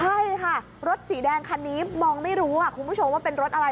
ใช่ค่ะรถสีแดงคันนี้มองไม่รู้คุณผู้ชมว่าเป็นรถอะไร